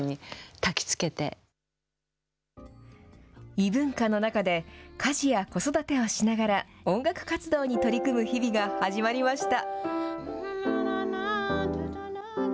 異文化の中で家事や子育てをしながら、音楽活動に取り組む日々が始まりました。